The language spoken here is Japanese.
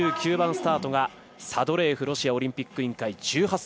２９番スタートがサドレーエフロシアオリンピック委員会。